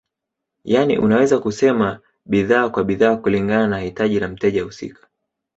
Yani unaweza kusema bidhaa kwa bidhaa kulingana na hitaji la mteja husika